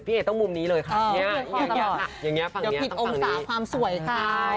พี่เอเขาให้เบาเมินมาตั้งไกลเลยค่ะ